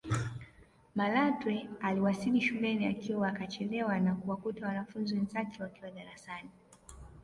Malatwe aliwasili shuleni akiwa kachelewa na kuwakuta wanafunzi wenzake wakiwa darasani